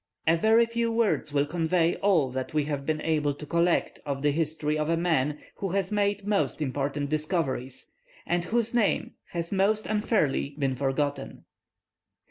A very few words will convey all that we have been able to collect of the history of a man who made most important discoveries, and whose name has most unfairly been forgotten.